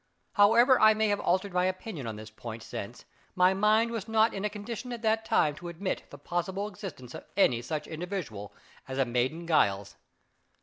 However I may have altered my opinion on this point since, my mind was not in a condition at that time to admit the possible existence of any such individual as a maiden Giles.